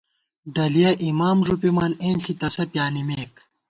ڈلِیَہ اِمام ݫُپِمان ، اېنݪی تسہ پِیانِمېک